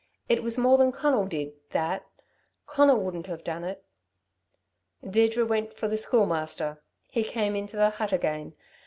"It was more than Conal did that. Conal wouldn't have done it." Deirdre went for the Schoolmaster. He came into the hut again.